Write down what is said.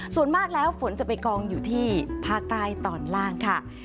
ส่วนมากแล้วฝนจะไปกองอยู่ที่ภาคใต้ตอนล่างค่ะ